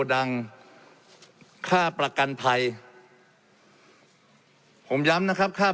และมีผลกระทบไปทุกสาขาอาชีพชาติ